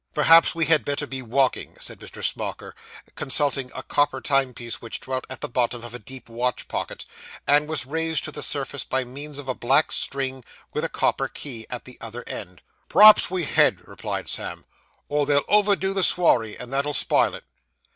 'Perhaps we had better be walking,' said Mr. Smauker, consulting a copper timepiece which dwelt at the bottom of a deep watch pocket, and was raised to the surface by means of a black string, with a copper key at the other end. 'P'raps we had,' replied Sam, 'or they'll overdo the swarry, and that'll spile it.